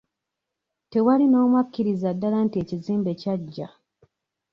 Tewali n'omu akkiriza ddala nti ekizimbe kyaggya.